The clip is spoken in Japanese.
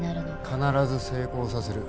必ず成功させる。